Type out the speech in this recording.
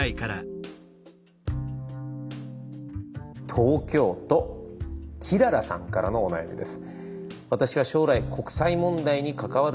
東京都きららさんからのお悩みです。